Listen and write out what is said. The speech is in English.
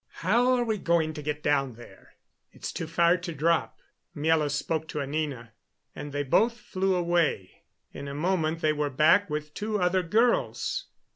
"How are we going to get down there? It's too far to drop." Miela spoke to Anina, and they both flew away. In a moment they were back with two other girls.